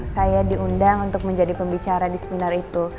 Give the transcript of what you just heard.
saya diundang untuk menjadi pembicara di seminar itu